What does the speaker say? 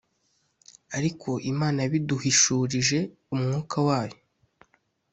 Ariko Imana yabiduhishurishije Umwuka wayo: